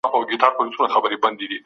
د مجموعي محصول یادونه نه ده سوي.